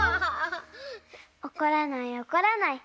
おこらないおこらない。